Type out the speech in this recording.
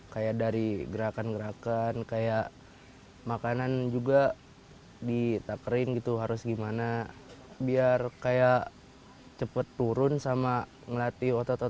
kayak dari gerakan gerakan kayak makanan juga ditakerin gitu harus gimana biar kayak cepet turun sama ngelatih otot otot